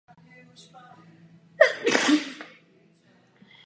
Rád bych Moskvě a Kyjevu adresoval zcela jednoznačné sdělení.